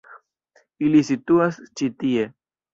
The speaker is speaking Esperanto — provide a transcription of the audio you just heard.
Ili situas ĉi tie.